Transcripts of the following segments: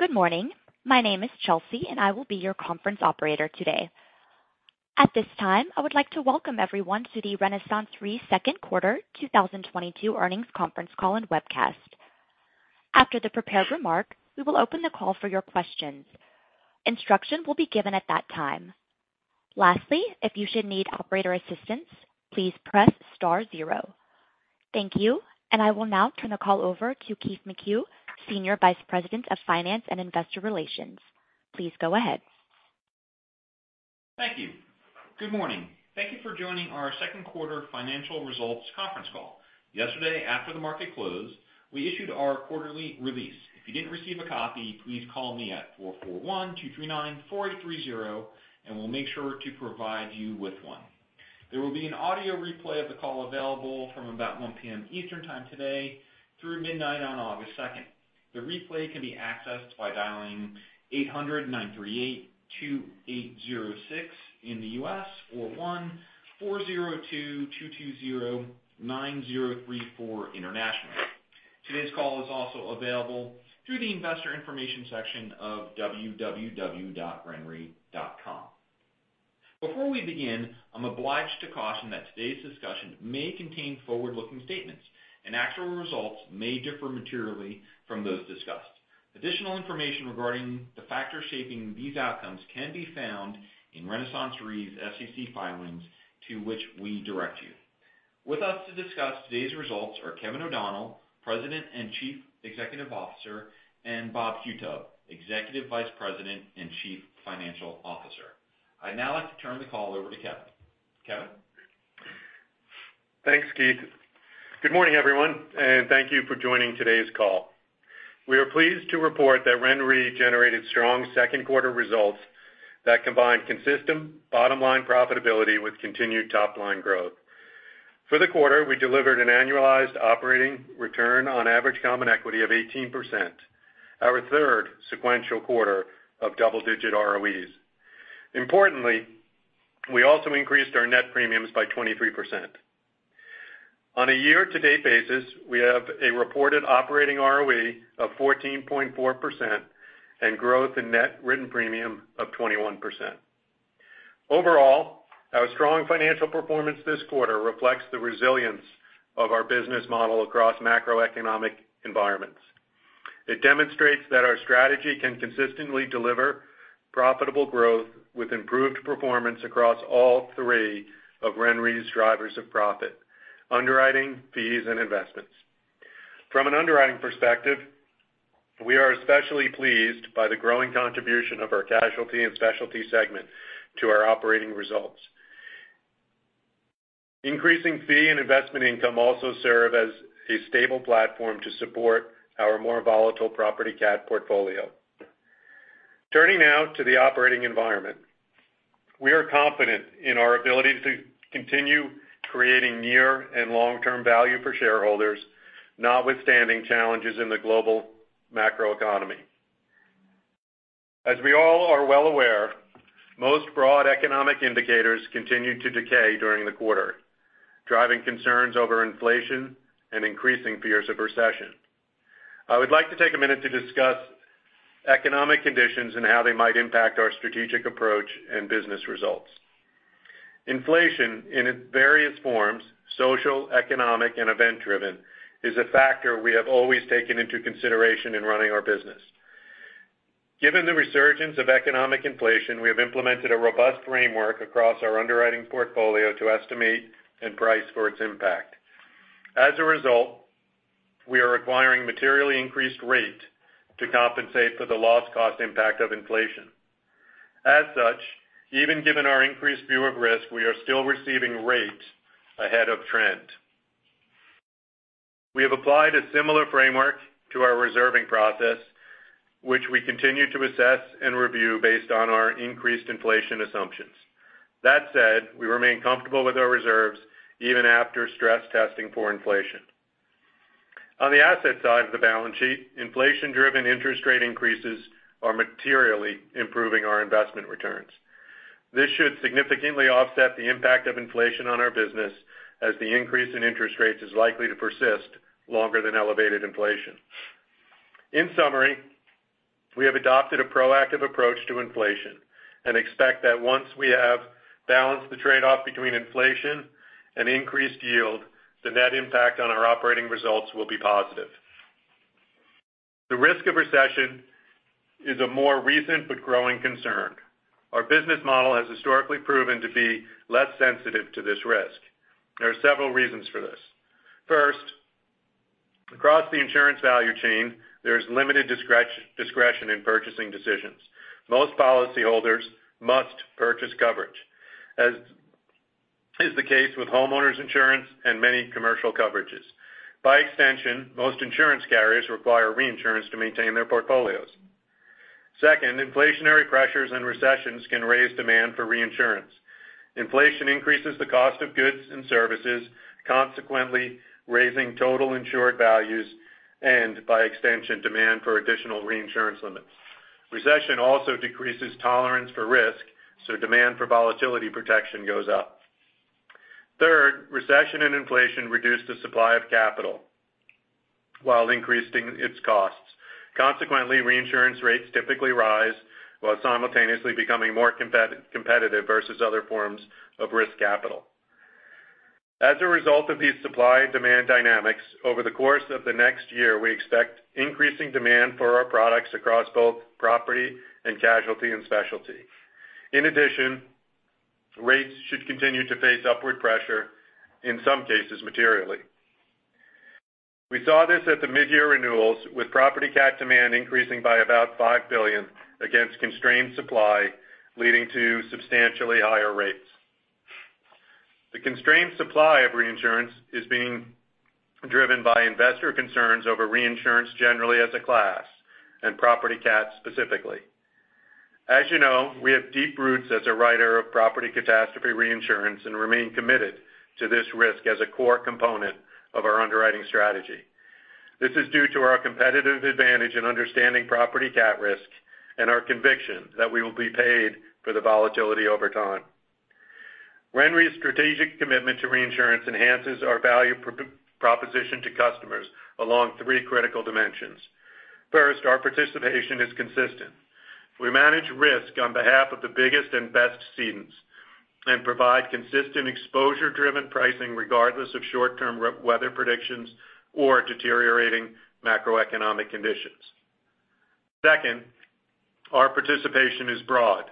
Good morning. My name is Chelsea, and I will be your conference operator today. At this time, I would like to welcome everyone to the RenaissanceRe Q2 2022 Earnings Conference Call and Webcast. After the prepared remark, we will open the call for your questions. Instructions will be given at that time. Lastly, if you should need operator assistance, please press star zero. Thank you, and I will now turn the call over to Keith McCue, Senior Vice President, Finance & Investor Relations. Please go ahead. Thank you. Good morning. Thank you for joining our Q2 financial results conference call. Yesterday, after the market closed, we issued our quarterly release. If you didn't receive a copy, please call me at 441-239-4830 and we'll make sure to provide you with one. There will be an audio replay of the call available from about 1 P.M. Eastern time today through midnight on August 2. The replay can be accessed by dialing 800-938-2806 in the US or 1-402-222-09034 internationally. Today's call is also available through the investor information section of www.renre.com. Before we begin, I'm obliged to caution that today's discussion may contain forward-looking statements and actual results may differ materially from those discussed. Additional information regarding the factors shaping these outcomes can be found in RenaissanceRe's SEC filings to which we direct you. With us to discuss today's results are Kevin O'Donnell, President and Chief Executive Officer, and Robert Qutub, Executive Vice President and Chief Financial Officer. I'd now like to turn the call over to Kevin. Kevin? Thanks, Keith. Good morning, everyone, and thank you for joining today's call. We are pleased to report that RenRe generated strong Q2 results that combine consistent bottom-line profitability with continued top-line growth. For the quarter, we delivered an annualized operating return on average common equity of 18%, our third sequential quarter of double-digit ROEs. Importantly, we also increased our net premiums by 23%. On a year-to-date basis, we have a reported operating ROE of 14.4% and growth in net written premium of 21%. Overall, our strong financial performance this quarter reflects the resilience of our business model across macroeconomic environments. It demonstrates that our strategy can consistently deliver profitable growth with improved performance across all three of RenRe's drivers of profit, underwriting, fees, and investments. From an underwriting perspective, we are especially pleased by the growing contribution of our casualty and specialty segment to our operating results. Increasing fee and investment income also serve as a stable platform to support our more volatile property cat portfolio. Turning now to the operating environment. We are confident in our ability to continue creating near and long-term value for shareholders, notwithstanding challenges in the global macroeconomy. As we all are well aware, most broad economic indicators continued to decay during the quarter, driving concerns over inflation and increasing fears of recession. I would like to take a minute to discuss economic conditions and how they might impact our strategic approach and business results. Inflation in its various forms, social, economic, and event-driven, is a factor we have always taken into consideration in running our business. Given the resurgence of economic inflation, we have implemented a robust framework across our underwriting portfolio to estimate and price for its impact. As a result, we are requiring materially increased rates to compensate for the loss cost impact of inflation. As such, even given our increased view of risk, we are still receiving rates ahead of trend. We have applied a similar framework to our reserving process, which we continue to assess and review based on our increased inflation assumptions. That said, we remain comfortable with our reserves even after stress testing for inflation. On the asset side of the balance sheet, inflation-driven interest rate increases are materially improving our investment returns. This should significantly offset the impact of inflation on our business as the increase in interest rates is likely to persist longer than elevated inflation. In summary, we have adopted a proactive approach to inflation and expect that once we have balanced the trade-off between inflation and increased yield, the net impact on our operating results will be positive. The risk of recession is a more recent but growing concern. Our business model has historically proven to be less sensitive to this risk. There are several reasons for this. First, across the insurance value chain, there is limited discretion in purchasing decisions. Most policyholders must purchase coverage, as is the case with homeowners insurance and many commercial coverages. By extension, most insurance carriers require reinsurance to maintain their portfolios. Second, inflationary pressures and recessions can raise demand for reinsurance. Inflation increases the cost of goods and services, consequently raising total insured values and, by extension, demand for additional reinsurance limits. Recession also decreases tolerance for risk, so demand for volatility protection goes up. Third, recession and inflation reduce the supply of capital while increasing its costs. Consequently, reinsurance rates typically rise while simultaneously becoming more competitive versus other forms of risk capital. As a result of these supply and demand dynamics, over the course of the next year, we expect increasing demand for our products across both property and casualty and specialty. In addition, rates should continue to face upward pressure, in some cases materially. We saw this at the mid-year renewals, with property cat demand increasing by about $5 billion against constrained supply, leading to substantially higher rates. The constrained supply of reinsurance is being driven by investor concerns over reinsurance generally as a class and property cats specifically. As you know, we have deep roots as a writer of property catastrophe reinsurance and remain committed to this risk as a core component of our underwriting strategy. This is due to our competitive advantage in understanding property cat risk and our conviction that we will be paid for the volatility over time. RenRe's strategic commitment to reinsurance enhances our value proposition to customers along three critical dimensions. First, our participation is consistent. We manage risk on behalf of the biggest and best cedents and provide consistent exposure-driven pricing regardless of short-term weather predictions or deteriorating macroeconomic conditions. Second, our participation is broad.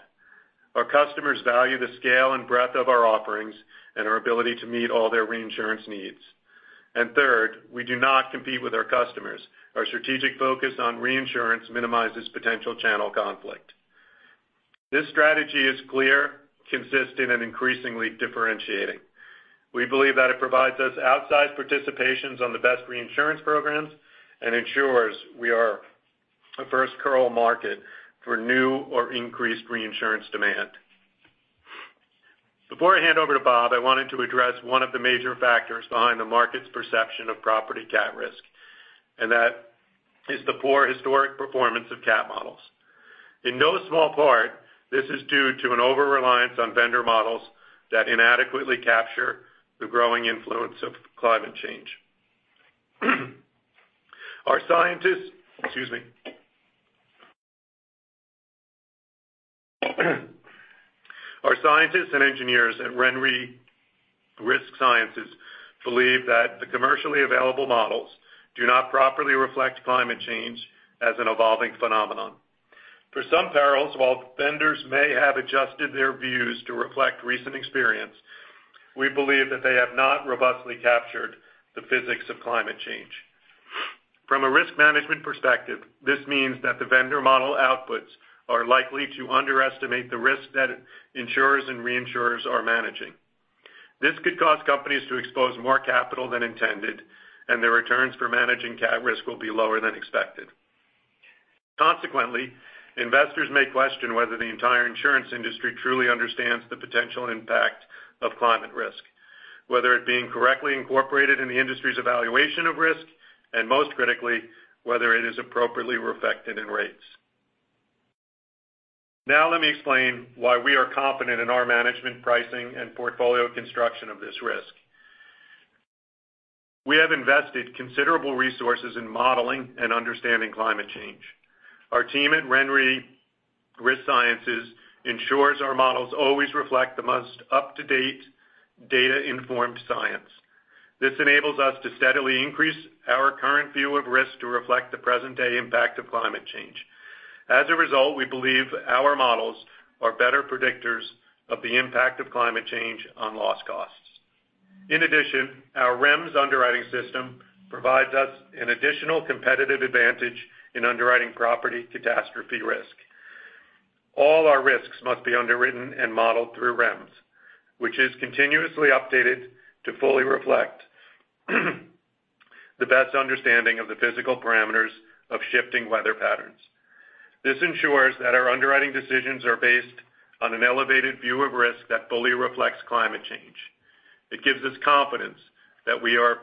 Our customers value the scale and breadth of our offerings and our ability to meet all their reinsurance needs. Third, we do not compete with our customers. Our strategic focus on reinsurance minimizes potential channel conflict. This strategy is clear, consistent, and increasingly differentiating. We believe that it provides us outsized participations on the best reinsurance programs and ensures we are a first call market for new or increased reinsurance demand. Before I hand over to Bob, I wanted to address one of the major factors behind the market's perception of property cat risk, and that is the poor historic performance of cat models. In no small part, this is due to an overreliance on vendor models that inadequately capture the growing influence of climate change. Our scientists and engineers at RenRe Risk Sciences believe that the commercially available models do not properly reflect climate change as an evolving phenomenon. For some perils, while vendors may have adjusted their views to reflect recent experience, we believe that they have not robustly captured the physics of climate change. From a risk management perspective, this means that the vendor model outputs are likely to underestimate the risk that insurers and reinsurers are managing. This could cause companies to expose more capital than intended, and their returns for managing cat risk will be lower than expected. Consequently, investors may question whether the entire insurance industry truly understands the potential impact of climate risk, whether it being correctly incorporated in the industry's evaluation of risk, and most critically, whether it is appropriately reflected in rates. Now let me explain why we are confident in our management pricing and portfolio construction of this risk. We have invested considerable resources in modeling and understanding climate change. Our team at RenRe Risk Sciences ensures our models always reflect the most up-to-date data-informed science. This enables us to steadily increase our current view of risk to reflect the present-day impact of climate change. As a result, we believe our models are better predictors of the impact of climate change on loss costs. In addition, our REMS underwriting system provides us an additional competitive advantage in underwriting property catastrophe risk. All our risks must be underwritten and modeled through REMS, which is continuously updated to fully reflect the best understanding of the physical parameters of shifting weather patterns. This ensures that our underwriting decisions are based on an elevated view of risk that fully reflects climate change. It gives us confidence that we are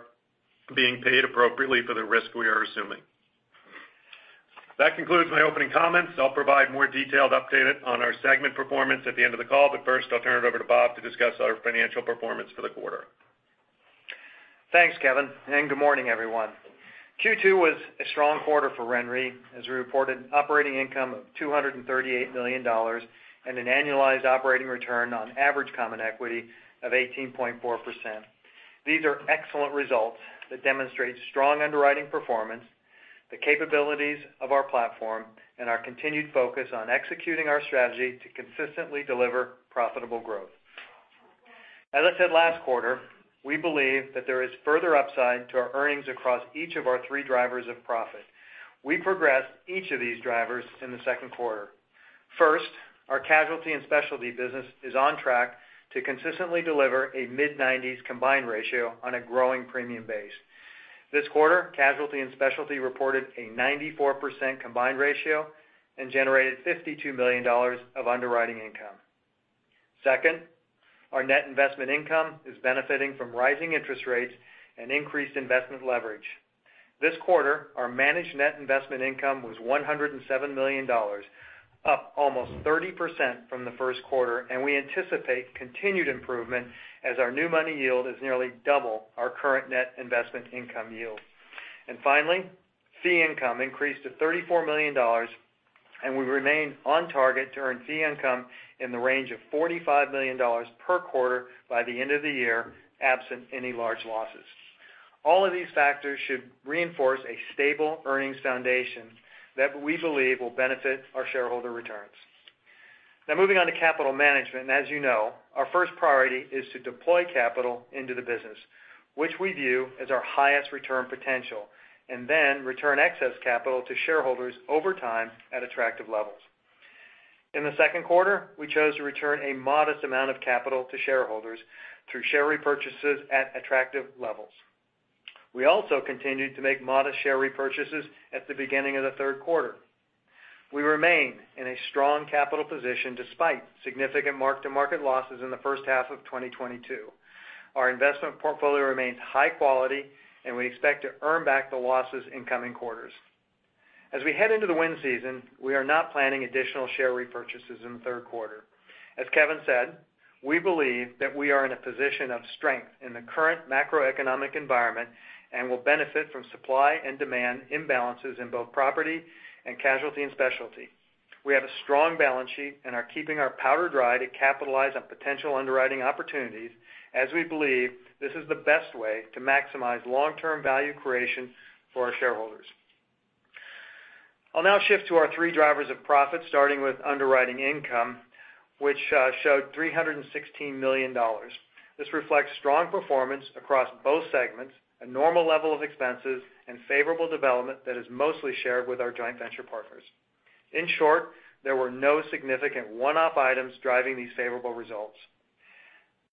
being paid appropriately for the risk we are assuming. That concludes my opening comments. I'll provide more detailed update on our segment performance at the end of the call, but first, I'll turn it over to Bob to discuss our financial performance for the quarter. Thanks, Kevin, and good morning, everyone. Q2 was a strong quarter for RenRe as we reported operating income of $238 million and an annualized operating return on average common equity of 18.4%. These are excellent results that demonstrate strong underwriting performance, the capabilities of our platform, and our continued focus on executing our strategy to consistently deliver profitable growth. As I said last quarter, we believe that there is further upside to our earnings across each of our three drivers of profit. We progressed each of these drivers in the Q2. First, our casualty and specialty business is on track to consistently deliver a mid-nineties combined ratio on a growing premium base. This quarter, casualty and specialty reported a 94% combined ratio and generated $52 million of underwriting income. Second, our net investment income is benefiting from rising interest rates and increased investment leverage. This quarter, our managed net investment income was $107 million, up almost 30% from the Q1, and we anticipate continued improvement as our new money yield is nearly double our current net investment income yield. Finally, fee income increased to $34 million, and we remain on target to earn fee income in the range of $45 million per quarter by the end of the year, absent any large losses. All of these factors should reinforce a stable earnings foundation that we believe will benefit our shareholder returns. Now moving on to capital management, and as you know, our first priority is to deploy capital into the business, which we view as our highest return potential, and then return excess capital to shareholders over time at attractive levels. In the Q2, we chose to return a modest amount of capital to shareholders through share repurchases at attractive levels. We also continued to make modest share repurchases at the beginning of the Q3. We remain in a strong capital position despite significant mark-to-market losses in the first half of 2022. Our investment portfolio remains high quality, and we expect to earn back the losses in coming quarters. As we head into the wind season, we are not planning additional share repurchases in the Q3. As Kevin said, we believe that we are in a position of strength in the current macroeconomic environment and will benefit from supply and demand imbalances in both property and casualty and specialty. We have a strong balance sheet and are keeping our powder dry to capitalize on potential underwriting opportunities, as we believe this is the best way to maximize long-term value creation for our shareholders. I'll now shift to our three drivers of profit, starting with underwriting income, which showed $316 million. This reflects strong performance across both segments, a normal level of expenses, and favorable development that is mostly shared with our joint venture partners. In short, there were no significant one-off items driving these favorable results.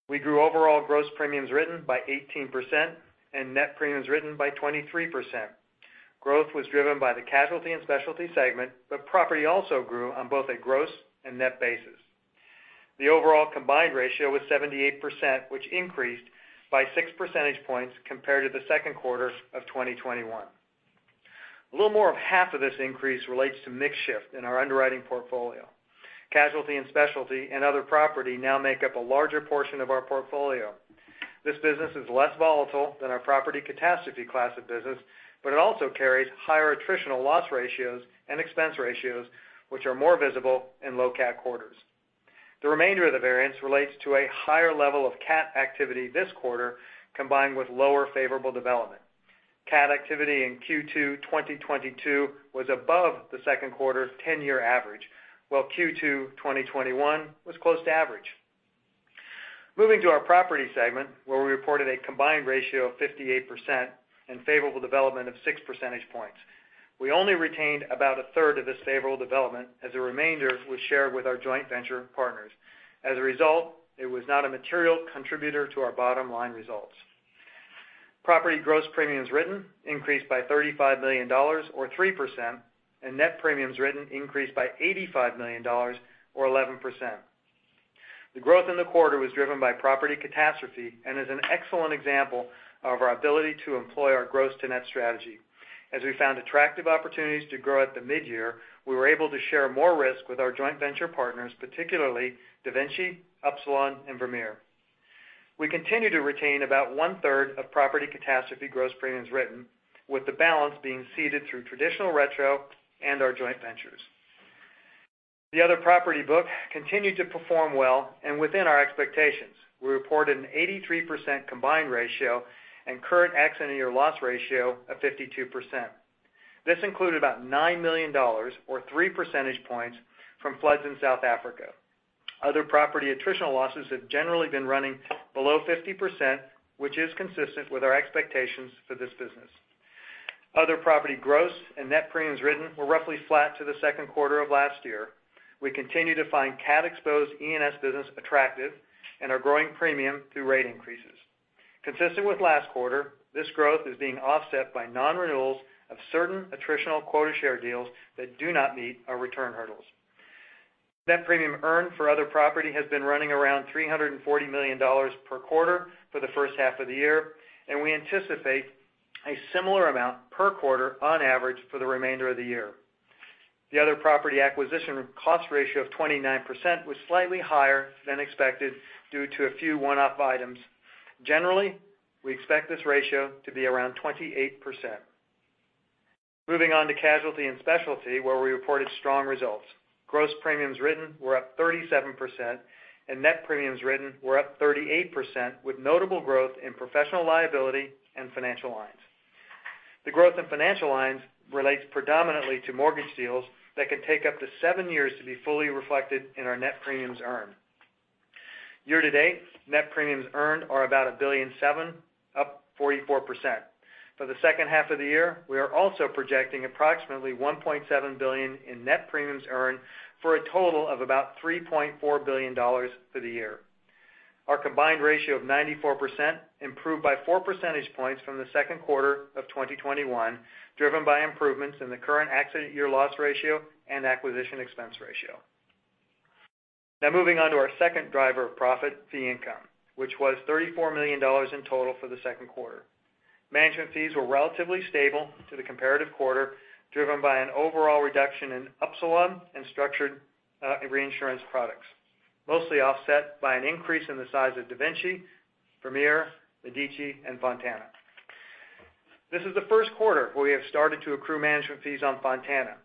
We grew overall gross premiums written by 18%, and net premiums written by 23%. Growth was driven by the casualty and specialty segment, but property also grew on both a gross and net basis. The overall combined ratio was 78%, which increased by six percentage points compared to the Q2 of 2021. A little more than half of this increase relates to mix shift in our underwriting portfolio. Casualty and specialty and other property now make up a larger portion of our portfolio. This business is less volatile than our property catastrophe class of business, but it also carries higher attritional loss ratios and expense ratios, which are more visible in low cat quarters. The remainder of the variance relates to a higher level of cat activity this quarter, combined with lower favorable development. Cat activity in Q2 2022 was above the Q2 ten-year average, while Q2 2021 was close to average. Moving to our property segment, where we reported a combined ratio of 58% and favorable development of six percentage points. We only retained about a third of this favorable development, as the remainder was shared with our joint venture partners. As a result, it was not a material contributor to our bottom line results. Property gross premiums written increased by $35 million or 3%, and net premiums written increased by $85 million or 11%. The growth in the quarter was driven by property catastrophe and is an excellent example of our ability to employ our gross to net strategy. As we found attractive opportunities to grow at the mid-year, we were able to share more risk with our joint venture partners, particularly DaVinci, Upsilon and Vermeer. We continue to retain about one-third of property catastrophe gross premiums written, with the balance being ceded through traditional retro and our joint ventures. The other property book continued to perform well and within our expectations. We reported an 83% combined ratio and current accident year loss ratio of 52%. This included about $9 million or 3 percentage points from floods in South Africa. Other property attritional losses have generally been running below 50%, which is consistent with our expectations for this business. Other property gross and net premiums written were roughly flat to the Q2 of last year. We continue to find cat-exposed E&S business attractive and are growing premium through rate increases. Consistent with last quarter, this growth is being offset by non-renewals of certain attritional quota share deals that do not meet our return hurdles. Net premium earned for other property has been running around $340 million per quarter for the first half of the year, and we anticipate a similar amount per quarter on average for the remainder of the year. The other property acquisition cost ratio of 29% was slightly higher than expected due to a few one-off items. Generally, we expect this ratio to be around 28%. Moving on to casualty and specialty, where we reported strong results. Gross premiums written were up 37%, and net premiums written were up 38%, with notable growth in professional liability and financial lines. The growth in financial lines relates predominantly to mortgage deals that can take up to 7 years to be fully reflected in our net premiums earned. Year to date, net premiums earned are about $1.7 billion, up 44%. For the second half of the year, we are also projecting approximately $1.7 billion in net premiums earned for a total of about $3.4 billion for the year. Our combined ratio of 94% improved by 4 percentage points from the Q2 of 2021, driven by improvements in the current accident year loss ratio and acquisition expense ratio. Now moving on to our second driver of profit, fee income, which was $34 million in total for the Q2. Management fees were relatively stable to the comparative quarter, driven by an overall reduction in Upsilon and structured reinsurance products, mostly offset by an increase in the size of DaVinci, Premier, Medici, and Fontana. This is the Q1 where we have started to accrue management fees on Fontana,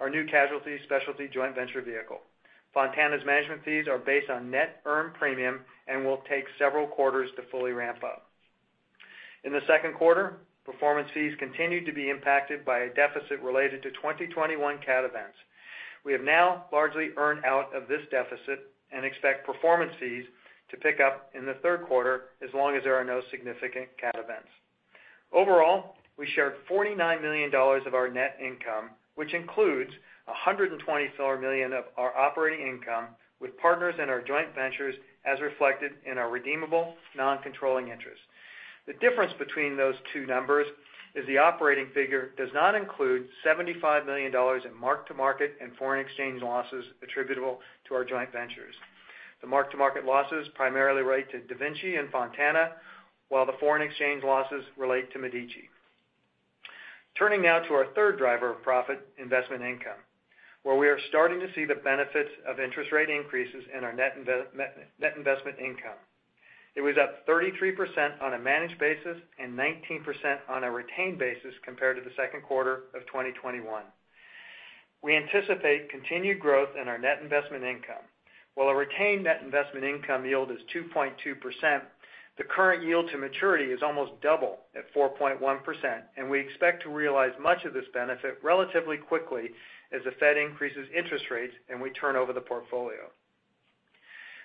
our new casualty specialty joint venture vehicle. Fontana's management fees are based on net earned premium and will take several quarters to fully ramp up. In the Q2, performance fees continued to be impacted by a deficit related to 2021 cat events. We have now largely earned out of this deficit and expect performance fees to pick up in the Q3 as long as there are no significant cat events. Overall, we shared $49 million of our net income, which includes $124 million of our operating income with partners in our joint ventures, as reflected in our redeemable non-controlling interest. The difference between those two numbers is the operating figure does not include $75 million in mark-to-market and foreign exchange losses attributable to our joint ventures. The mark-to-market losses primarily relate to DaVinci and Fontana, while the foreign exchange losses relate to Medici. Turning now to our third driver of profit, investment income, where we are starting to see the benefits of interest rate increases in our net investment income. It was up 33% on a managed basis and 19% on a retained basis compared to the Q2 of 2021. We anticipate continued growth in our net investment income. While a retained net investment income yield is 2.2%, the current yield to maturity is almost double at 4.1%, and we expect to realize much of this benefit relatively quickly as the Fed increases interest rates and we turn over the portfolio.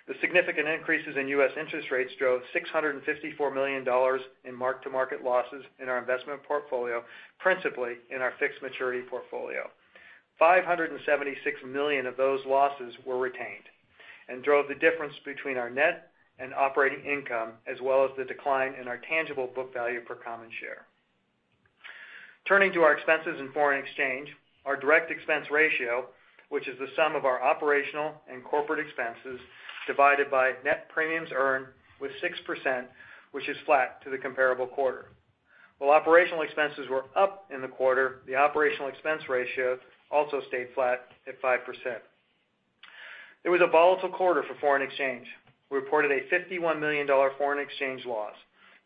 The significant increases in U.S. interest rates drove $654 million in mark-to-market losses in our investment portfolio, principally in our fixed maturity portfolio. $576 million of those losses were retained and drove the difference between our net and operating income, as well as the decline in our tangible book value per common share. Turning to our expenses in foreign exchange, our direct expense ratio, which is the sum of our operational and corporate expenses divided by net premiums earned, was 6%, which is flat to the comparable quarter. While operational expenses were up in the quarter, the operational expense ratio also stayed flat at 5%. It was a volatile quarter for foreign exchange. We reported a $51 million foreign exchange loss,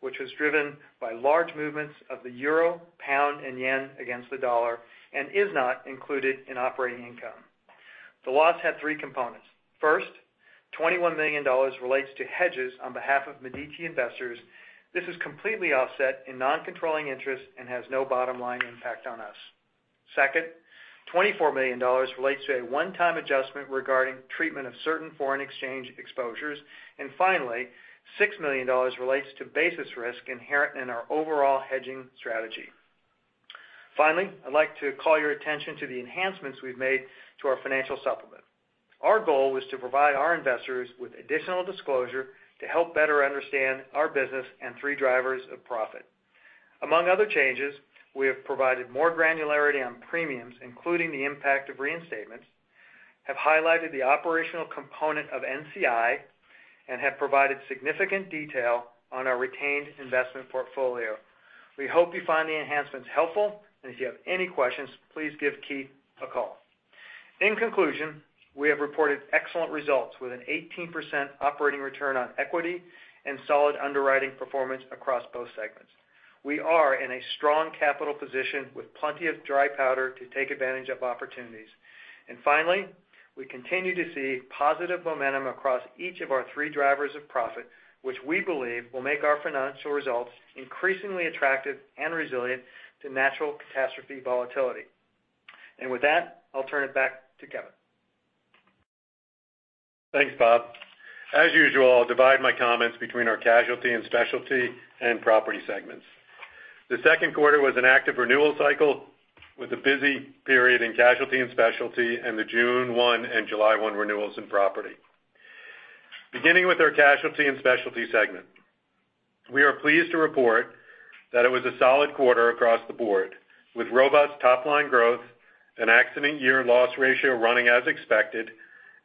which was driven by large movements of the euro, pound, and yen against the dollar and is not included in operating income. The loss had three components. First, $21 million relates to hedges on behalf of Medici investors. This is completely offset in non-controlling interest and has no bottom line impact on us. Second, $24 million relates to a one-time adjustment regarding treatment of certain foreign exchange exposures. Finally, $6 million relates to basis risk inherent in our overall hedging strategy. Finally, I'd like to call your attention to the enhancements we've made to our financial supplement. Our goal was to provide our investors with additional disclosure to help better understand our business and three drivers of profit. Among other changes, we have provided more granularity on premiums, including the impact of reinstatements, have highlighted the operational component of NCI, and have provided significant detail on our retained investment portfolio. We hope you find the enhancements helpful, and if you have any questions, please give Keith a call. In conclusion, we have reported excellent results with an 18% operating return on equity and solid underwriting performance across both segments. We are in a strong capital position with plenty of dry powder to take advantage of opportunities. Finally, we continue to see positive momentum across each of our three drivers of profit, which we believe will make our financial results increasingly attractive and resilient to natural catastrophe volatility. With that, I'll turn it back to Kevin. Thanks, Bob. As usual, I'll divide my comments between our casualty and specialty and property segments. The Q2 was an active renewal cycle with a busy period in casualty and specialty and the June 1 and July 1 renewals in property. Beginning with our casualty and specialty segment, we are pleased to report that it was a solid quarter across the board with robust top-line growth and accident year loss ratio running as expected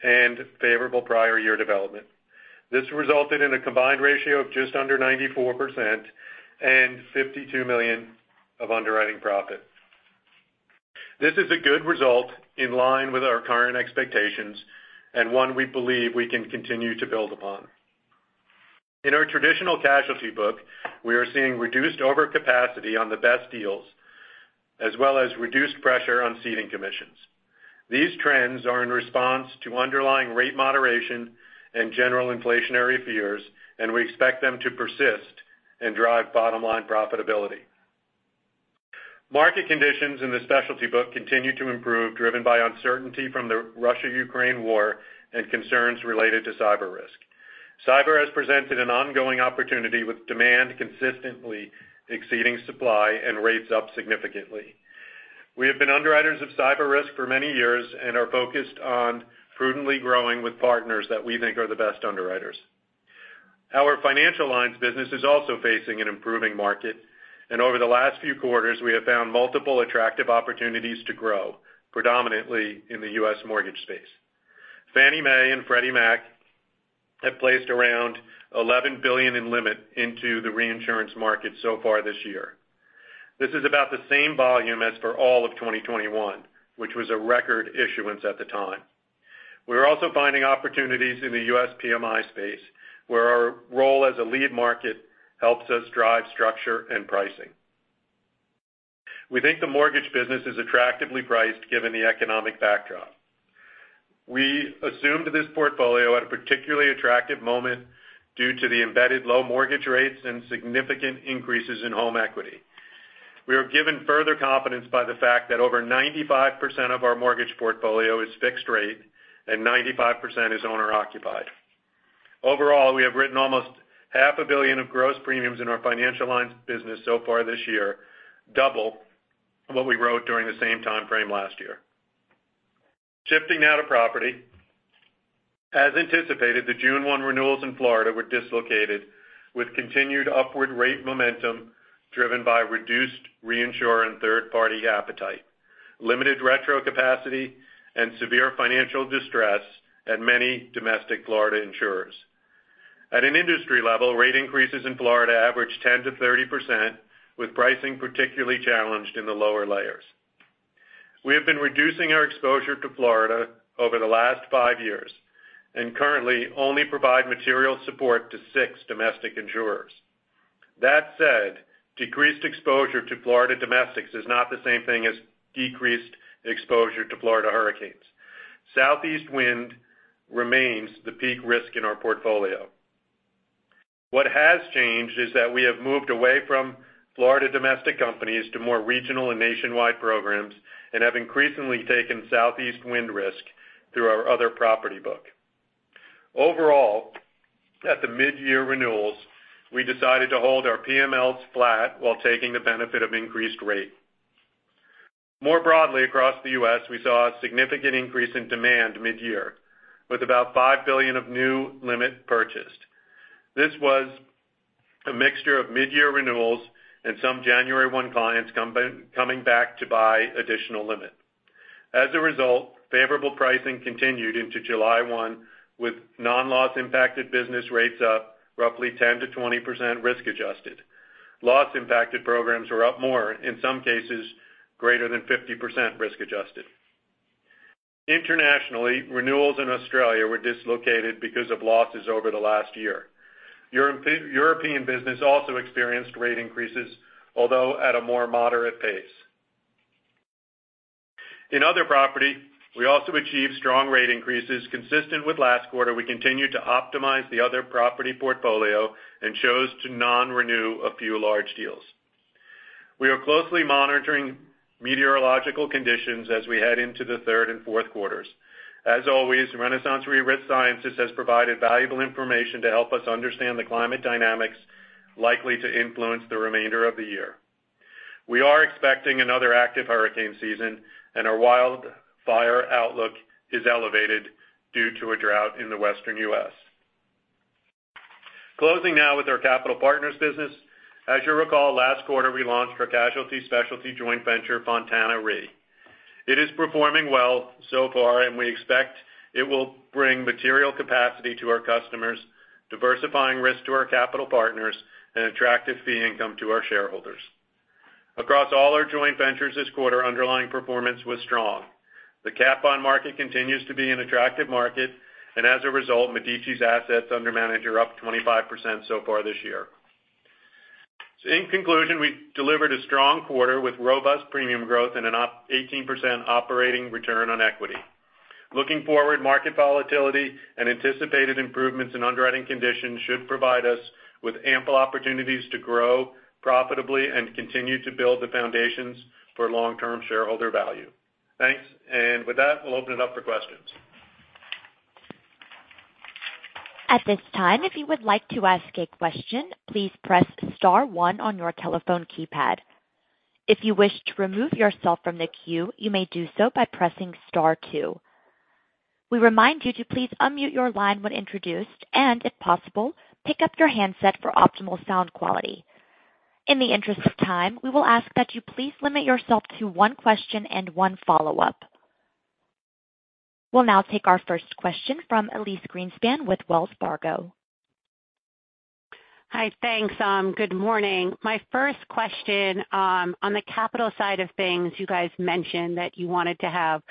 and favorable prior year development. This resulted in a combined ratio of just under 94% and $52 million of underwriting profit. This is a good result in line with our current expectations and one we believe we can continue to build upon. In our traditional casualty book, we are seeing reduced overcapacity on the best deals, as well as reduced pressure on ceding commissions. These trends are in response to underlying rate moderation and general inflationary fears, and we expect them to persist and drive bottom-line profitability. Market conditions in the specialty book continue to improve, driven by uncertainty from the Russia-Ukraine war and concerns related to cyber risk. Cyber has presented an ongoing opportunity with demand consistently exceeding supply and rates up significantly. We have been underwriters of cyber risk for many years and are focused on prudently growing with partners that we think are the best underwriters. Our financial lines business is also facing an improving market, and over the last few quarters, we have found multiple attractive opportunities to grow, predominantly in the U.S. mortgage space. Fannie Mae and Freddie Mac have placed around $11 billion in limit into the reinsurance market so far this year. This is about the same volume as for all of 2021, which was a record issuance at the time. We are also finding opportunities in the US PMI space, where our role as a lead market helps us drive structure and pricing. We think the mortgage business is attractively priced given the economic backdrop. We assumed this portfolio at a particularly attractive moment due to the embedded low mortgage rates and significant increases in home equity. We are given further confidence by the fact that over 95% of our mortgage portfolio is fixed rate and 95% is owner occupied. Overall, we have written almost $ half a billion of gross premiums in our financial lines business so far this year, double what we wrote during the same time frame last year. Shifting now to property. As anticipated, the June 1 renewals in Florida were dislocated, with continued upward rate momentum driven by reduced reinsurer and third-party appetite, limited retro capacity, and severe financial distress at many domestic Florida insurers. At an industry level, rate increases in Florida averaged 10%-30%, with pricing particularly challenged in the lower layers. We have been reducing our exposure to Florida over the last five years and currently only provide material support to six domestic insurers. That said, decreased exposure to Florida domestics is not the same thing as decreased exposure to Florida hurricanes. Southeast wind remains the peak risk in our portfolio. What has changed is that we have moved away from Florida domestic companies to more regional and nationwide programs and have increasingly taken Southeast wind risk through our other property book. Overall, at the midyear renewals, we decided to hold our PMLs flat while taking the benefit of increased rate. More broadly across the U.S., we saw a significant increase in demand midyear, with about $5 billion of new limit purchased. This was a mixture of midyear renewals and some January 1 clients coming back to buy additional limit. As a result, favorable pricing continued into July 1, with non-loss impacted business rates up roughly 10%-20% risk adjusted. Loss impacted programs were up more, in some cases greater than 50% risk adjusted. Internationally, renewals in Australia were dislocated because of losses over the last year. European business also experienced rate increases, although at a more moderate pace. In other property, we also achieved strong rate increases consistent with last quarter. We continued to optimize the other property portfolio and chose to non-renew a few large deals. We are closely monitoring meteorological conditions as we head into the third and Q4. As always, RenaissanceRe Risk Sciences has provided valuable information to help us understand the climate dynamics likely to influence the remainder of the year. We are expecting another active hurricane season, and our wildfire outlook is elevated due to a drought in the Western US. Closing now with our capital partners business. As you recall, last quarter we launched our casualty specialty joint venture, Fontana Re. It is performing well so far, and we expect it will bring material capacity to our customers, diversifying risk to our capital partners and attractive fee income to our shareholders. Across all our joint ventures this quarter, underlying performance was strong. The cat bond market continues to be an attractive market, and as a result, Medici's assets under management are up 25% so far this year. In conclusion, we delivered a strong quarter with robust premium growth and an up 18% operating return on equity. Looking forward, market volatility and anticipated improvements in underwriting conditions should provide us with ample opportunities to grow profitably and continue to build the foundations for long-term shareholder value. Thanks. With that, we'll open it up for questions. At this time, if you would like to ask a question, please press star one on your telephone keypad. If you wish to remove yourself from the queue, you may do so by pressing star two. We remind you to please unmute your line when introduced, and if possible, pick up your handset for optimal sound quality. In the interest of time, we will ask that you please limit yourself to one question and one follow-up. We'll now take our first question from Elyse Greenspan with Wells Fargo. Hi. Thanks. Good morning. My first question on the capital side of things, you guys mentioned that you wanted to have,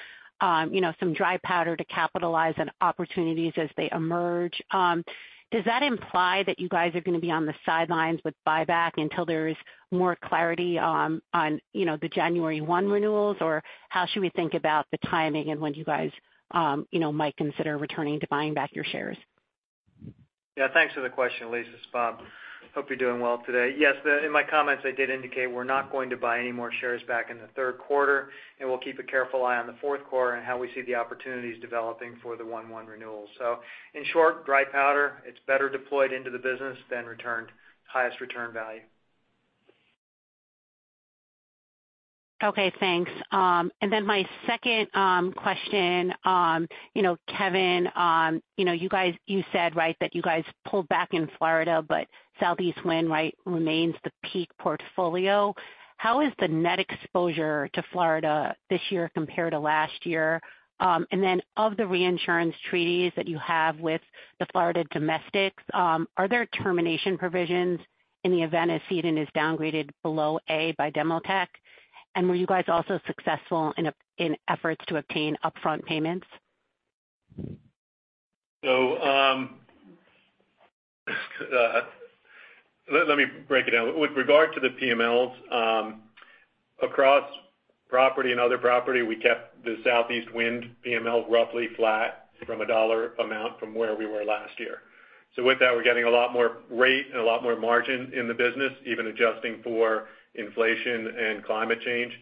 you know, some dry powder to capitalize on opportunities as they emerge. Does that imply that you guys are gonna be on the sidelines with buyback until there is more clarity on, you know, the January one renewals? How should we think about the timing and when you guys, you know, might consider returning to buying back your shares? Yeah, thanks for the question, Elyse. It's Robert. Hope you're doing well today. Yes, in my comments, I did indicate we're not going to buy any more shares back in the third quarter, and we'll keep a careful eye on the Q4 and how we see the opportunities developing for the one-one renewal. In short, dry powder, it's better deployed into the business than returned. Highest return value. Okay, thanks. My second question, you know, Kevin, you know, you guys said, right, that you guys pulled back in Florida, but Southeast wind, right, remains the peak portfolio. How is the net exposure to Florida this year compared to last year? Of the reinsurance treaties that you have with the Florida domestics, are there termination provisions in the event if Citizens is downgraded below A by Demotech? Were you guys also successful in efforts to obtain upfront payments? Let me break it down. With regard to the PMLs, across property and other property, we kept the Southeast wind PML roughly flat from a dollar amount from where we were last year. With that, we're getting a lot more rate and a lot more margin in the business, even adjusting for inflation and climate change.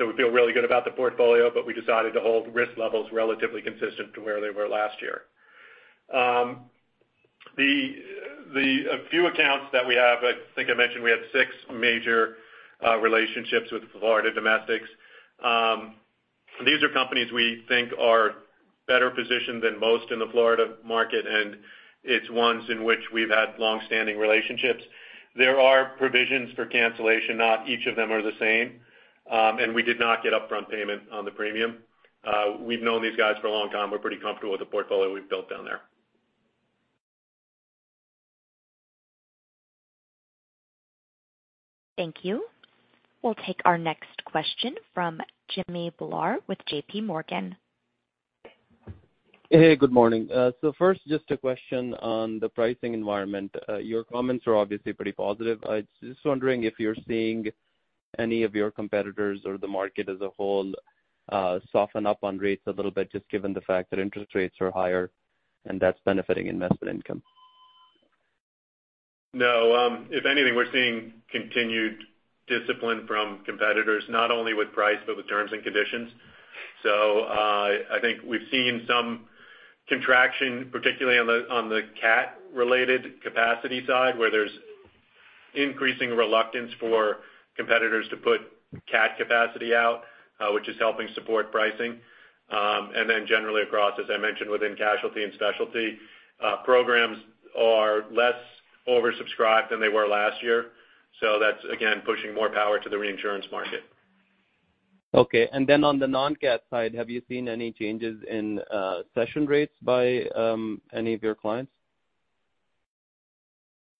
We feel really good about the portfolio, but we decided to hold risk levels relatively consistent to where they were last year. A few accounts that we have, I think I mentioned we have six major relationships with Florida domestics. These are companies we think are better positioned than most in the Florida market, and it's ones in which we've had long-standing relationships. There are provisions for cancellation. Not each of them are the same. We did not get upfront payment on the premium. We've known these guys for a long time. We're pretty comfortable with the portfolio we've built down there. Thank you. We'll take our next question from Jimmy Bhullar with J.P. Morgan. Hey, good morning. First, just a question on the pricing environment. Your comments are obviously pretty positive. I was just wondering if you're seeing any of your competitors or the market as a whole, soften up on rates a little bit just given the fact that interest rates are higher and that's benefiting investment income? No. If anything, we're seeing continued discipline from competitors, not only with price, but with terms and conditions. I think we've seen some contraction, particularly on the cat-related capacity side, where there's increasing reluctance for competitors to put cat capacity out, which is helping support pricing. Then generally across, as I mentioned, within casualty and specialty, programs are less oversubscribed than they were last year. That's, again, pushing more power to the reinsurance market. Okay. On the non-cat side, have you seen any changes in cession rates by any of your clients?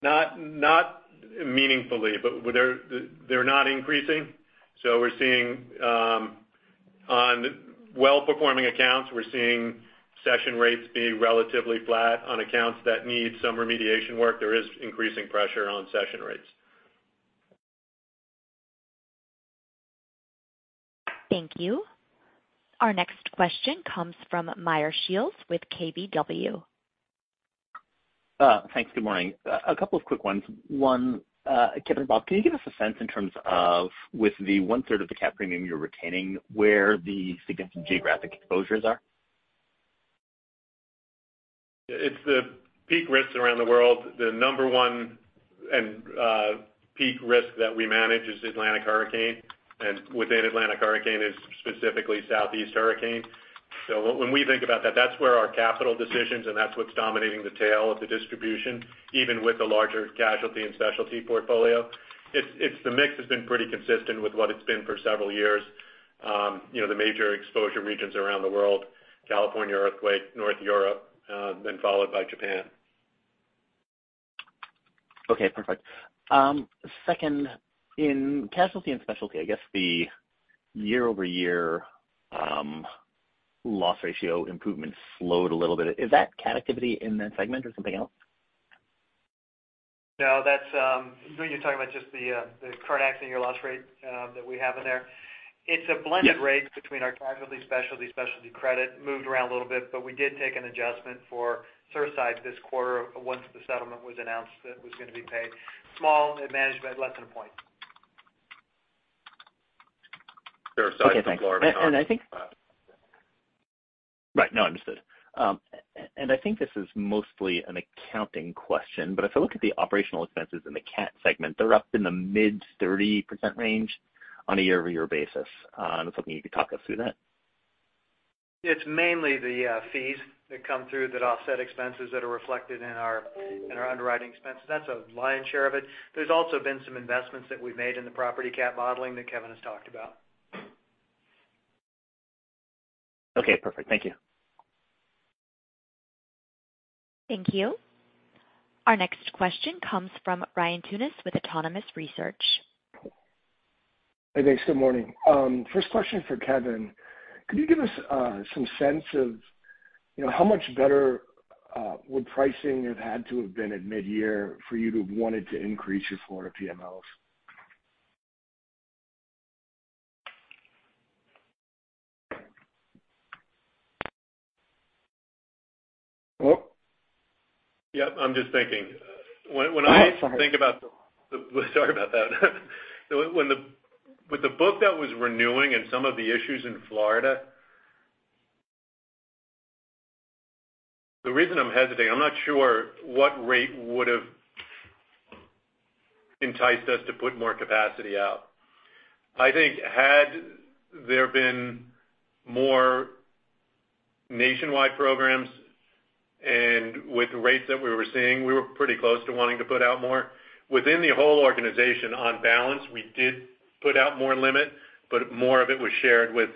Not meaningfully, but they're not increasing. We're seeing on well-performing accounts, we're seeing cession rates be relatively flat. On accounts that need some remediation work, there is increasing pressure on cession rates. Thank you. Our next question comes from Meyer Shields with KBW. Thanks. Good morning. A couple of quick ones. One, Kevin and Bob, can you give us a sense in terms of with the one-third of the cat premium you're retaining, where the significant geographic exposures are? It's the peak risks around the world. The number one peak risk that we manage is Atlantic hurricane, and within Atlantic hurricane is specifically Southeast hurricane. When we think about that's where our capital decisions and that's what's dominating the tail of the distribution, even with the larger casualty and specialty portfolio. It's the mix has been pretty consistent with what it's been for several years. You know, the major exposure regions around the world, California earthquake, North Europe, then followed by Japan. Okay, perfect. Second, in casualty and specialty, I guess the year-over-year loss ratio improvement slowed a little bit. Is that cat activity in that segment or something else? No, that's. You're talking about just the current accident year loss rate that we have in there. Yes. It's a blended rate between our casualty specialty credit. Moved around a little bit, but we did take an adjustment for Third side this quarter once the settlement was announced that was gonna be paid. Small management, less than a point. Okay, thanks. I think. There are sides. Right. No, understood. And I think this is mostly an accounting question, but if I look at the operational expenses in the cat segment, they're up in the mid-30% range on a year-over-year basis. I was hoping you could talk us through that. It's mainly the fees that come through that offset expenses that are reflected in our underwriting expenses. That's a lion's share of it. There's also been some investments that we've made in the property cat modeling that Kevin has talked about. Okay, perfect. Thank you. Thank you. Our next question comes from Ryan Tunis with Autonomous Research. Hey, thanks. Good morning. First question for Kevin. Could you give us some sense of, you know, how much better would pricing have had to have been at mid-year for you to have wanted to increase your Florida PMLs? Yep, I'm just thinking. When I think about the- Oh, sorry. Sorry about that. With the book that was renewing and some of the issues in Florida. The reason I'm hesitating, I'm not sure what rate would have enticed us to put more capacity out. I think had there been more nationwide programs and with the rates that we were seeing, we were pretty close to wanting to put out more. Within the whole organization on balance, we did put out more limit, but more of it was shared with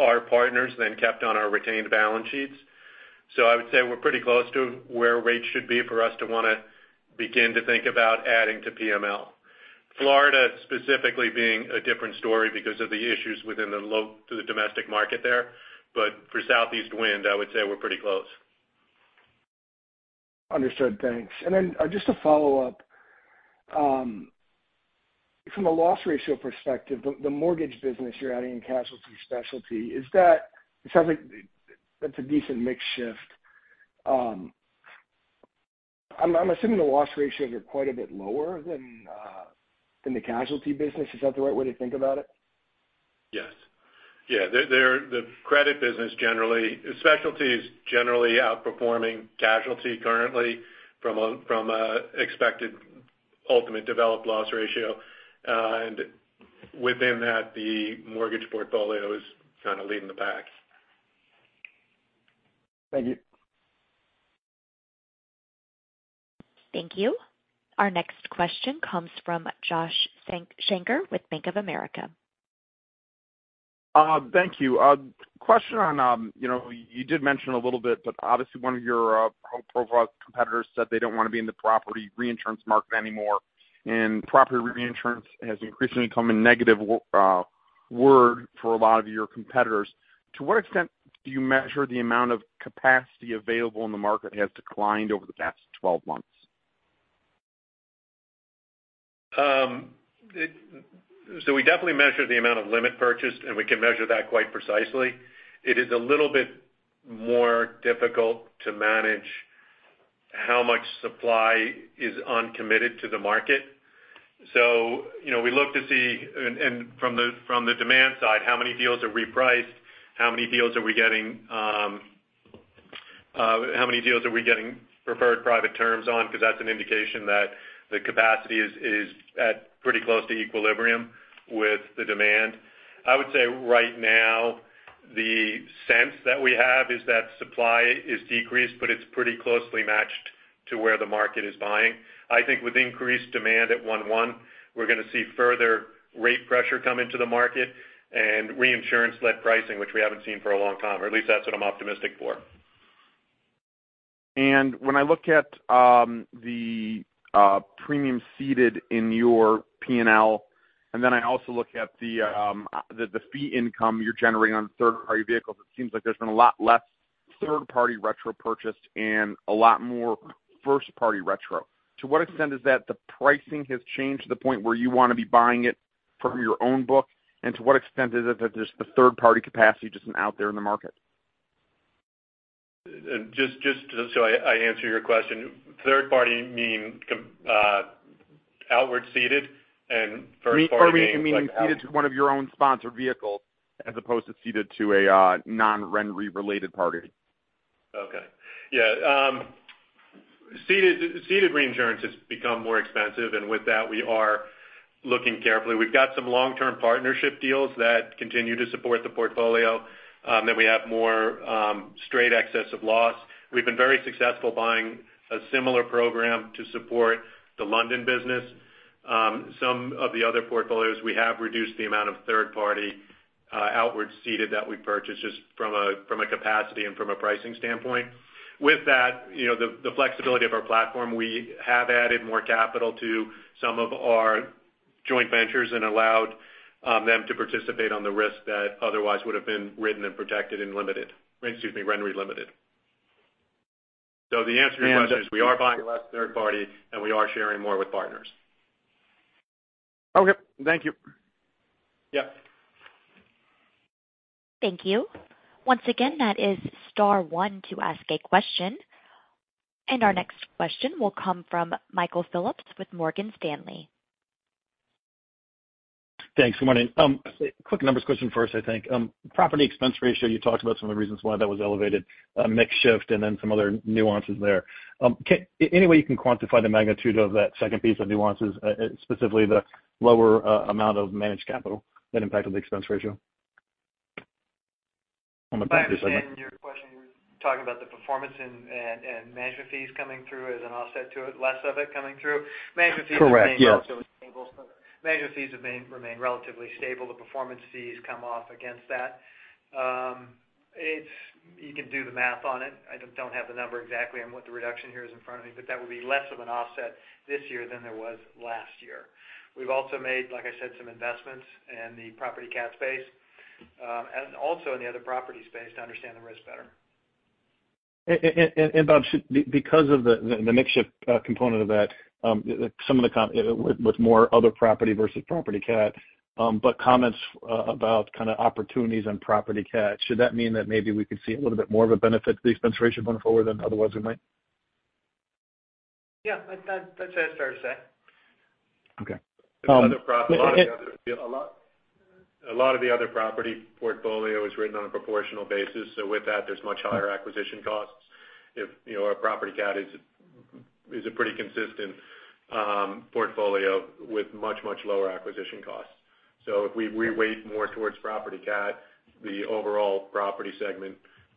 our partners than kept on our retained balance sheets. I would say we're pretty close to where rates should be for us to wanna begin to think about adding to PML. Florida specifically being a different story because of the issues within the domestic market there. For Southeast wind, I would say we're pretty close. Understood. Thanks. Just to follow up, from a loss ratio perspective, the mortgage business you're adding in Casualty & Specialty, is that? It sounds like that's a decent mix shift. I'm assuming the loss ratios are quite a bit lower than the casualty business. Is that the right way to think about it? Yes. Yeah. The credit business generally, specialty is generally outperforming casualty currently from a expected ultimate developed loss ratio. Within that, the mortgage portfolio is kind of leading the pack. Thank you. Thank you. Our next question comes from Josh Shanker with Bank of America. Thank you. Question on, you know, you did mention a little bit, but obviously one of your profile competitors said they don't wanna be in the property reinsurance market anymore, and property reinsurance has increasingly become a negative word for a lot of your competitors. To what extent do you measure the amount of capacity available in the market has declined over the past 12 months? We definitely measure the amount of limit purchased, and we can measure that quite precisely. It is a little bit more difficult to manage how much supply is uncommitted to the market. You know, we look to see and from the demand side, how many deals are repriced, how many deals are we getting preferred private terms on? Because that's an indication that the capacity is at pretty close to equilibrium with the demand. I would say right now the sense that we have is that supply is decreased, but it's pretty closely matched to where the market is buying. I think with increased demand at 1:1, we're gonna see further rate pressure come into the market and reinsurance-led pricing, which we haven't seen for a long time, or at least that's what I'm optimistic for. When I look at the premium ceded in your P&L, and then I also look at the fee income you're generating on third-party vehicles, it seems like there's been a lot less third-party retro purchase and a lot more first-party retro. To what extent is that the pricing has changed to the point where you wanna be buying it from your own book? To what extent is it that just the third party capacity just isn't out there in the market? Just so I answer your question, third party mean outward ceded and first party means like. You mean ceded to one of your own sponsored vehicles as opposed to ceded to a non-RenRe related party? Okay. Yeah. Ceded reinsurance has become more expensive, and with that, we are looking carefully. We've got some long-term partnership deals that continue to support the portfolio, that we have more straight excess of loss. We've been very successful buying a similar program to support the London business. Some of the other portfolios, we have reduced the amount of third party outward ceded that we purchase just from a capacity and from a pricing standpoint. With that, you know, the flexibility of our platform, we have added more capital to some of our joint ventures and allowed them to participate on the risk that otherwise would have been written and protected and limited. Excuse me, RenRe Limited. The answer to your question is we are buying less third party, and we are sharing more with partners. Okay. Thank you. Yeah. Thank you. Once again, that is star one to ask a question. Our next question will come from Michael Phillips with Morgan Stanley. Thanks. Good morning. Quick numbers question first, I think. Property expense ratio, you talked about some of the reasons why that was elevated, a mix shift and then some other nuances there. Any way you can quantify the magnitude of that second piece of nuances, specifically the lower amount of managed capital that impacted the expense ratio? If I understand your question, you're talking about the performance and management fees coming through as an offset to it, less of it coming through. Management fees have been relatively stable. Correct. Yes. Management fees remain relatively stable. The performance fees come off against that. You can do the math on it. I don't have the number exactly on what the reduction here is in front of me, but that would be less of an offset this year than there was last year. We've also made, like I said, some investments in the property cat space, and also in the other property space to understand the risk better. Bob, because of the mix shift component of that, some of the comments with more other property versus property cat, but comments about kind of opportunities on property cat, should that mean that maybe we could see a little bit more of a benefit to the expense ratio going forward than otherwise we might? Yeah, that's fair to say. Okay. A lot of the other property portfolio is written on a proportional basis, so with that, there's much higher acquisition costs. If, you know, our property cat is a pretty consistent portfolio with much lower acquisition costs. If we weight more towards property cat, the overall property segment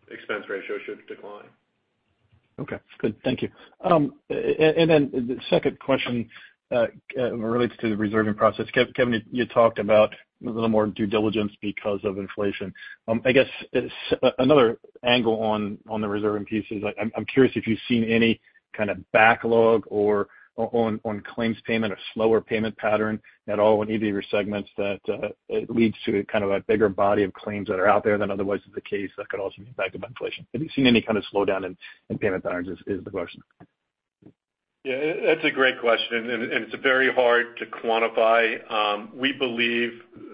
expense ratio should decline. Okay. Good. Thank you. The second question relates to the reserving process. Kevin, you talked about a little more due diligence because of inflation. I guess it's another angle on the reserving piece is I'm curious if you've seen any kind of backlog or on claims payment or slower payment pattern at all in either of your segments that it leads to kind of a bigger body of claims that are out there than otherwise is the case that could also impact the inflation. Have you seen any kind of slowdown in payment patterns is the question. Yeah, that's a great question, and it's very hard to quantify. We believe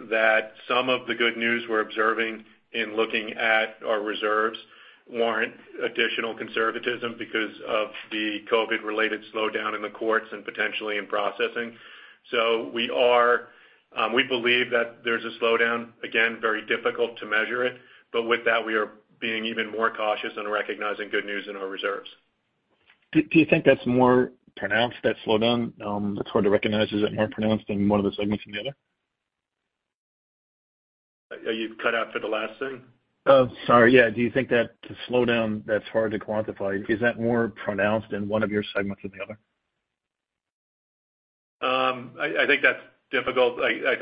that some of the good news we're observing in looking at our reserves warrant additional conservatism because of the COVID-related slowdown in the courts and potentially in processing. We believe that there's a slowdown, again, very difficult to measure it, but with that, we are being even more cautious and recognizing good news in our reserves. Do you think that's more pronounced, that slowdown, that's hard to recognize, is it more pronounced in one of the segments than the other? You cut out for the last thing. Oh, sorry. Yeah. Do you think that the slowdown that's hard to quantify, is that more pronounced in one of your segments than the other? I think that's difficult. I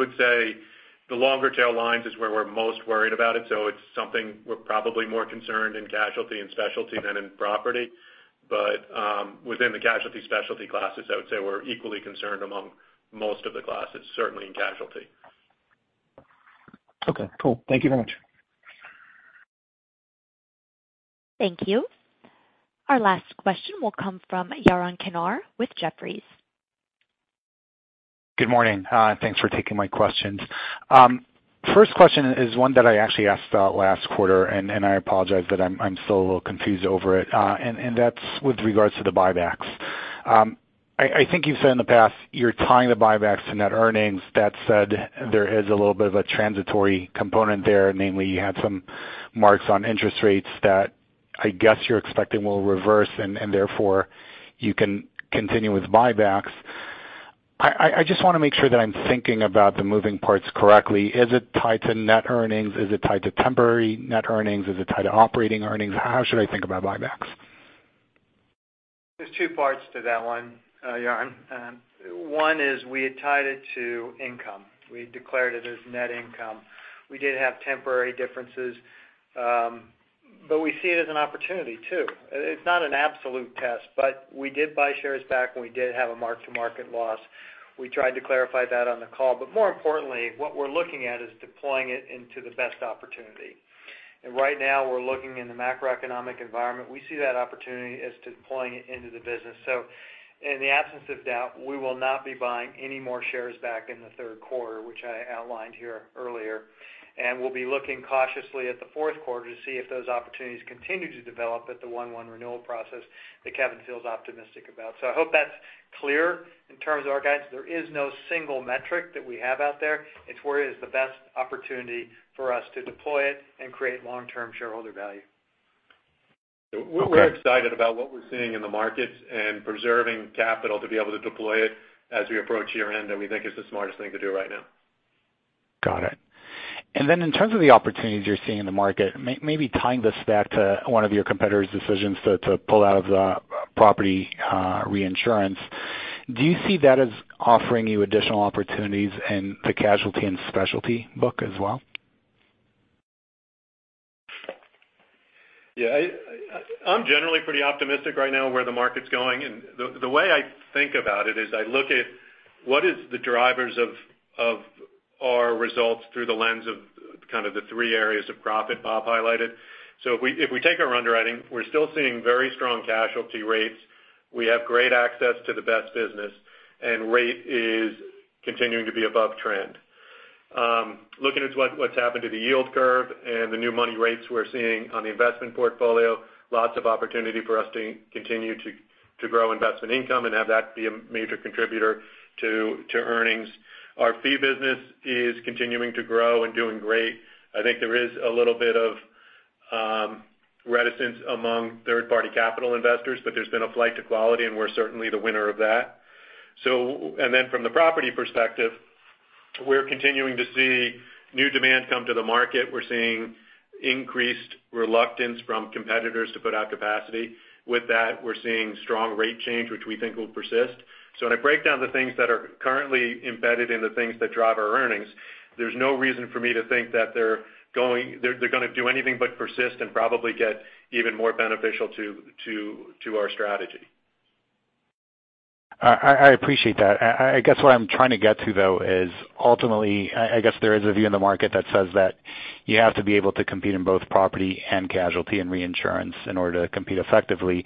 would say the longer tail lines is where we're most worried about it, so it's something we're probably more concerned in casualty and specialty than in property. Within the casualty specialty classes, I would say we're equally concerned among most of the classes, certainly in casualty. Okay. Cool. Thank you very much. Thank you. Our last question will come from Yaron Kinar with Jefferies. Good morning. Thanks for taking my questions. First question is one that I actually asked about last quarter, and I apologize that I'm still a little confused over it, and that's with regards to the buybacks. I think you've said in the past you're tying the buybacks to net earnings. That said, there is a little bit of a transitory component there. Namely, you had some marks on interest rates that I guess you're expecting will reverse and therefore you can continue with buybacks. I just wanna make sure that I'm thinking about the moving parts correctly. Is it tied to net earnings? Is it tied to temporary net earnings? Is it tied to operating earnings? How should I think about buybacks? There's two parts to that one, Yaron. One is we had tied it to income. We declared it as net income. We did have temporary differences, but we see it as an opportunity too. It's not an absolute test, but we did buy shares back when we did have a mark-to-market loss. We tried to clarify that on the call. More importantly, what we're looking at is deploying it into the best opportunity. Right now we're looking in the macroeconomic environment, we see that opportunity as deploying it into the business. In the absence of doubt, we will not be buying any more shares back in the Q3, which I outlined here earlier. We'll be looking cautiously at the Q4 to see if those opportunities continue to develop at the 1-1 renewal process that Kevin feels optimistic about. I hope that's clear in terms of our guidance. There is no single metric that we have out there. It's where is the best opportunity for us to deploy it and create long-term shareholder value. We're excited about what we're seeing in the markets and preserving capital to be able to deploy it as we approach year-end, and we think it's the smartest thing to do right now. Got it. In terms of the opportunities you're seeing in the market, maybe tying this back to one of your competitors' decisions to pull out of the property reinsurance, do you see that as offering you additional opportunities in the casualty and specialty book as well? Yeah. I'm generally pretty optimistic right now where the market's going, and the way I think about it is I look at what is the drivers of our results through the lens of kind of the three areas of profit Bob highlighted. If we take our underwriting, we're still seeing very strong casualty rates. We have great access to the best business, and rate is continuing to be above trend. Looking at what's happened to the yield curve and the new money rates we're seeing on the investment portfolio, lots of opportunity for us to continue to grow investment income and have that be a major contributor to earnings. Our fee business is continuing to grow and doing great. I think there is a little bit of reticence among third-party capital investors, but there's been a flight to quality, and we're certainly the winner of that. From the property perspective, we're continuing to see new demand come to the market. We're seeing increased reluctance from competitors to put out capacity. With that, we're seeing strong rate change, which we think will persist. When I break down the things that are currently embedded in the things that drive our earnings, there's no reason for me to think that they're gonna do anything but persist and probably get even more beneficial to our strategy. I appreciate that. I guess what I'm trying to get to, though, is ultimately, I guess there is a view in the market that says that you have to be able to compete in both property and casualty and reinsurance in order to compete effectively.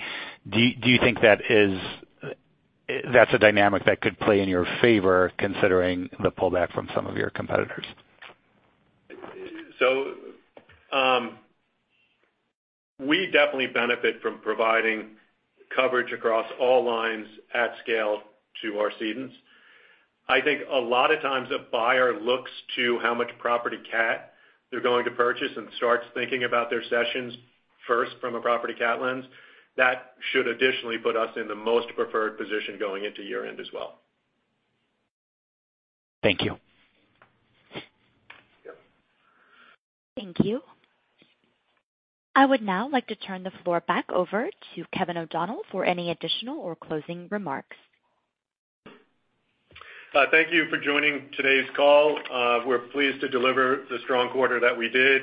Do you think that's a dynamic that could play in your favor, considering the pullback from some of your competitors? We definitely benefit from providing coverage across all lines at scale to our cedents. I think a lot of times a buyer looks to how much property cat they're going to purchase and starts thinking about their cessions first from a property cat lens. That should additionally put us in the most preferred position going into year-end as well. Thank you. Yep. Thank you. I would now like to turn the floor back over to Kevin O'Donnell for any additional or closing remarks. Thank you for joining today's call. We're pleased to deliver the strong quarter that we did,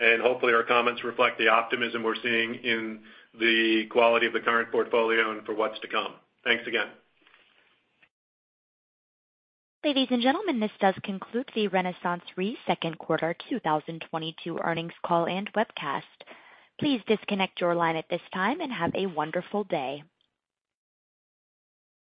and hopefully, our comments reflect the optimism we're seeing in the quality of the current portfolio and for what's to come. Thanks again. Ladies and gentlemen, this does conclude the RenaissanceRe Q2 2022 Earnings Call and Webcast. Please disconnect your line at this time and have a wonderful day.